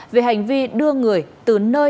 về hành vi đưa người từ nơi